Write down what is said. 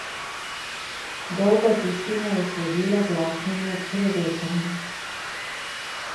Dolga tišina je sledila glasnemu prerekanju.